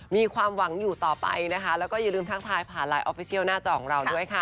มีความหวังอยู่ต่อไปนะคะแล้วก็อย่าลืมทักทายผ่านไลน์ออฟฟิเชียลหน้าจอของเราด้วยค่ะ